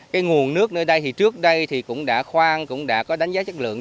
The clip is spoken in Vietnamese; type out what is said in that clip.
cái nguồn nước nơi đây thì trước đây thì cũng đã khoan cũng đã có đánh giá chất lượng